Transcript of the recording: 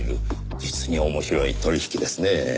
実に面白い取引ですねぇ。